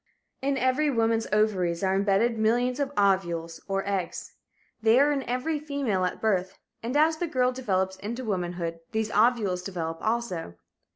In every woman's ovaries are imbedded millions of ovules or eggs. They are in every female at birth, and as the girl develops into womanhood, these ovules develop also.